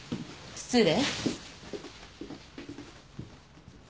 失礼。